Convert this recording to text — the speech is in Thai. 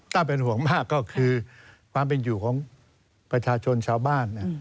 ถ้าเป็นห่วงมากก็คือความเป็นอยู่ของประชาชนชาวบ้าน